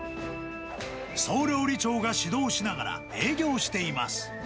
総料理長が指導しながら営業しています。